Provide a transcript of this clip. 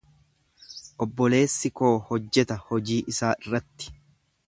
Obboleessi koo hojjeta hojii isaa irratti.